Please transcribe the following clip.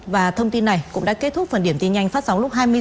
và thông tin này cũng đã kết thúc phần điểm tin nhanh phát sóng lúc hai mươi h